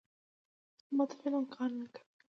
مات قلم کار نه کوي.